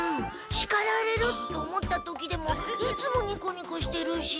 しかられる！？と思った時でもいつもニコニコしてるし。